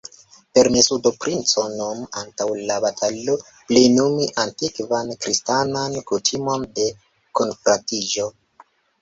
Permesu do, princo, nun, antaŭ la batalo, plenumi antikvan kristanan kutimon de kunfratiĝo!